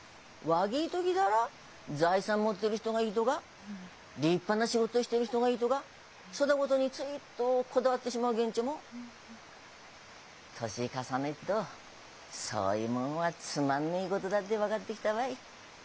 若え時だら財産持ってる人がいいどが立派な仕事してる人がいいどがそだごどについっとこだわってしまうげんちょも年重ねっどそういうもんはつまんねえことだって分がってきたわい。